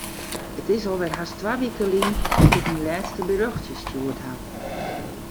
It is alwer hast twa wike lyn dat ik myn lêste berjochtsje stjoerd haw.